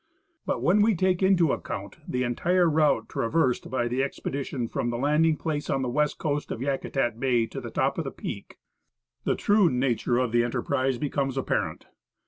But, when we take into account the entire route traversed by the expedition from the landing place on the west coast of Yakutat Bay to the top of the peak, the true nature of the enterprise becomes apparent.